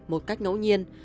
một cách ngẫu nhiên